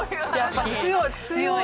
強い強い。